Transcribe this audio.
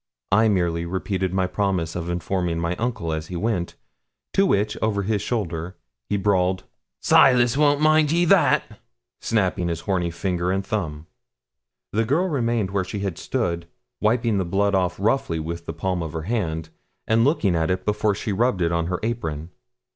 I merely repeated my promise of informing my uncle as he went, to which, over his shoulder, he bawled 'Silas won't mind ye that;' snapping his horny finger and thumb. The girl remained where she had stood, wiping the blood off roughly with the palm of her hand, and looking at it before she rubbed it on her apron.